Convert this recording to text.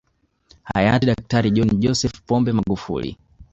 Hayati Daktari John Joseph Pombe Magufuli